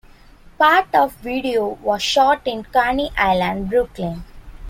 Part of the video was shot in Coney Island, Brooklyn.